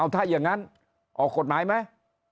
ถ้าอย่างนั้นออกกฎหมายไหม